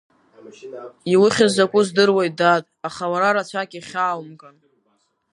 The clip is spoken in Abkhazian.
Иухьыз закәу здыруеит, дад, аха уара рацәак ихьааумган.